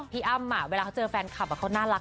อ้ำเวลาเขาเจอแฟนคลับเขาน่ารัก